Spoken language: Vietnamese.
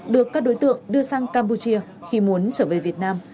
được các đối tượng đưa sang campuchia khi muốn trở về việt nam